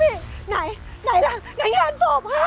ไหนไหนล่ะไหนการสวบฮะ